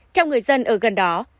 theo người dân ở gần đó